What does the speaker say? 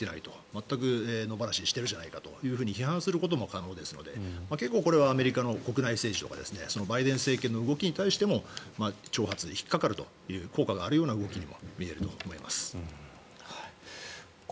全く野放しにしてるじゃないかと批判することも可能ですので結構、これはアメリカの国際政治がバイデン政権の動きに対しても挑発に引っかかるというような効果があるような動きにも見えると思います。